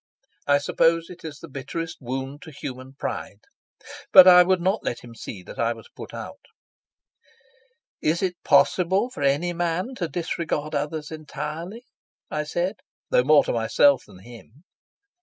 I suppose it is the bitterest wound to human pride. But I would not let him see that I was put out. "Is it possible for any man to disregard others entirely?" I said, though more to myself than to him.